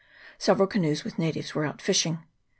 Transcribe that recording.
Several canoes with natives were out fishing.